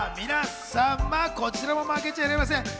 皆さん、こちらも負けちゃいられません。